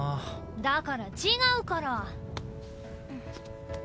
だから違うから。